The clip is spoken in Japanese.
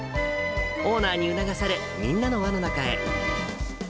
オーナーに促され、みんなの輪の中へ。